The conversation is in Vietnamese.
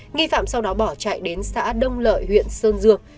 nghi phạm sau đó bỏ chạy đến xã đông lợi huyện sơn dương